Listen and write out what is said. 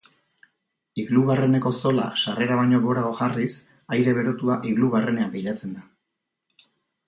Iglu barreneko zola sarrera baino gorago jarriz, aire berotua iglu barrenean pilatzen da.